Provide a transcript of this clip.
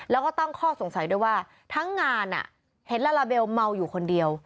แล้วก็ตั้งข้อสงสัยด้วยว่าทั้งงานเห็นลาลาเบลเมาอยู่คนเดียว